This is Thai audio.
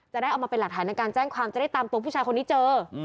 จะได้เอามาเป็นหลักฐานในการแจ้งความจะได้ตามตัวผู้ชายคนนี้เจอ